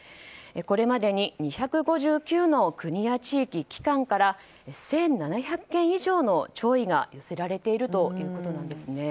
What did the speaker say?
これまでに２５９の国や地域、機関から１７００件以上の弔意が寄せられているということです。